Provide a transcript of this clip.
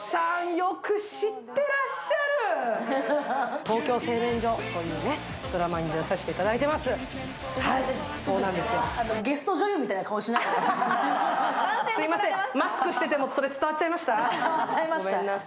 「トウキョー製麺所」というドラマに出演させていただいています。